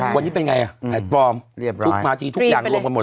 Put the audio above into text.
วันนี้เป็นไงแอดฟอร์มมันอาทิตย์ทุกอย่างเลย